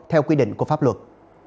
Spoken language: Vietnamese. theo quy định của pháp luật